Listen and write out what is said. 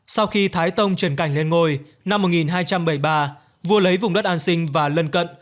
sau khi thái tông truyền cảnh lên ngôi năm một nghìn hai trăm bảy mươi ba vua lấy vùng đất an sinh và lân cận